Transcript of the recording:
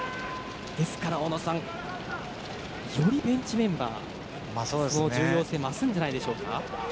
ですから、小野さんよりベンチメンバーの重要性が増すんじゃないですか？